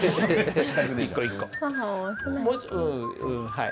はい。